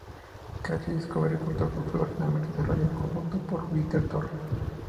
Cache Discovery Protocol fue originalmente desarrollado en conjunto por BitTorrent, Inc.